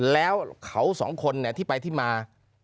แล้วเขาสองคนที่ไปที่มา